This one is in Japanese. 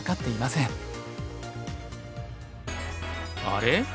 「あれ？